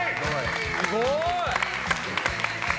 すごい！